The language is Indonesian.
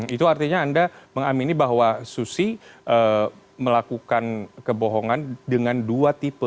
itu artinya anda mengamini bahwa susi melakukan kebohongan dengan dua tipe